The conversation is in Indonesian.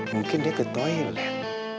mungkin dia ke toilet